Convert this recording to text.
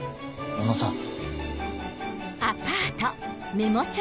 小野さん。